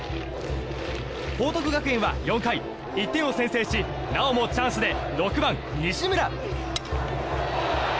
報徳学園は４回、１点を先制しなおもチャンスで６番、西村。